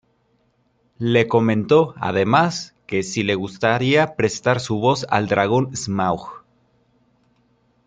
Lee comentó, además, que sí le gustaría prestar su voz al dragón Smaug.